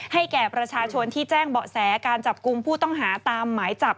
แก่ประชาชนที่แจ้งเบาะแสการจับกลุ่มผู้ต้องหาตามหมายจับ